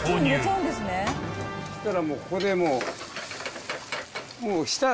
そしたらここでもう。